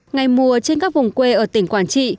ngày mùa trên các vùng quê ở tỉnh quảng trị